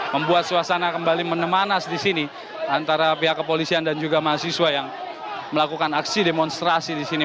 membuat suasana kembali menemanas disini antara pihak kepolisian dan juga mahasiswa yang melakukan aksi demonstrasi disini